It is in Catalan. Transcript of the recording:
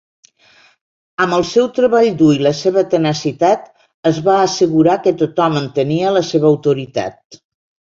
Amb el seu treball dur i la seva tenacitat, es va assegurar que tothom entenia la seva autoritat.